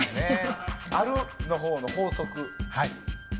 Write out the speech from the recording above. あるのほうの法則。